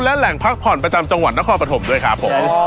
และแหล่งพักผ่อนประจำจังหวัดนครปฐมด้วยครับผม